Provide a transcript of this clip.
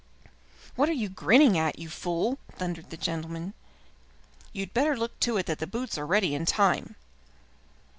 "What are you grinning at, you fool?" thundered the gentleman. "You had better look to it that the boots are ready in time."